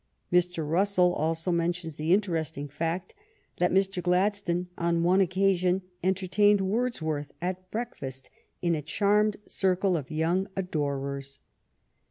Mr. Russell also mentions the interesting fact that Mr. Glad stone on one occasion enter tained Words worth at break fas t "in a charmed circle of young ador ers."